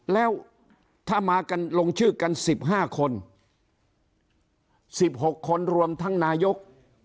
แล้วถ้ามากันลงชื่อกัน๑๕คน๑๖คนรวมทั้งนายก